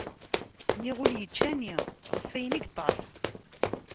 Niɣ ul ičča ani, ɣef ayen i yeṭɛef